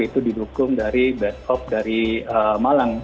itu didukung dari base op dari bnpb